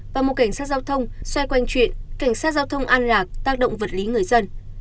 và một cảnh sát giao thông xoay quanh chuyện cảnh sát giao thông an lạc tác động vật lý người dân